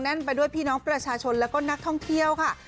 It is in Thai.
ไปด้วยพี่น้องประชาชนแล้วก็นักท่องเที่ยวค่ะ